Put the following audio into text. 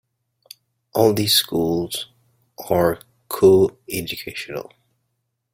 All these schools are coeducational.